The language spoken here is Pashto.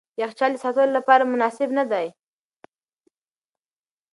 یخچال د ساتلو لپاره مناسب نه دی.